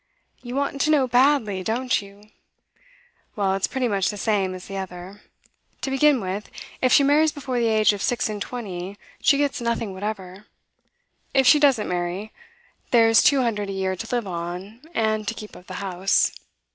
'You want to know badly, don't you? Well, it's pretty much the same as the other. To begin with, if she marries before the age of six and twenty, she gets nothing whatever. If she doesn't marry, there's two hundred a year to live on and to keep up the house.